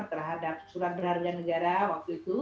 terhadap surat berharga negara waktu itu